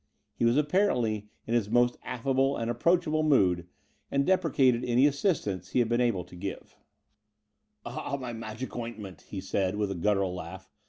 He was apparently in his most affable and approachable mood, and deprecated any assistance he had been able to give. S1964B loo The Door of the Vnteal '*Ah, my magic ointment!" he said, with a guttural laugh.